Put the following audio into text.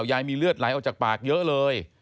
ยายมีเลือดไหลออกจากปากเยอะเลย